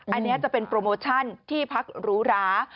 อันนี้จะเป็นโปรโมชั่นที่พักหรูหรา